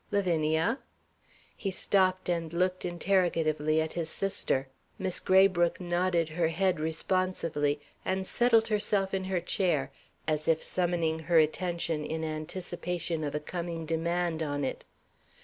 Lavinia?" He stopped, and looked interrogatively at his sister. Miss Graybrooke nodded her head responsively, and settled herself in her chair, as if summoning her attention in anticipation of a coming demand on it.